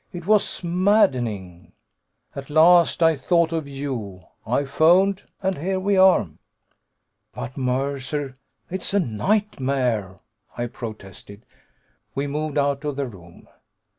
It was maddening. "At last I thought of you. I phoned, and here we are!" "But, Mercer, it's a nightmare!" I protested. We moved out of the room.